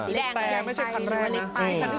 ร้อยตะแทนไม่ใช่คันแรกนะ